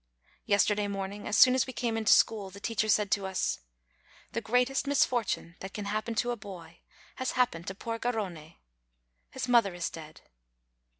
Yesterday morning, as soon as we came into school, the teacher said to us : "The greatest misfortune that can happen to a boy has happened to poor Garrone : his mother is dead.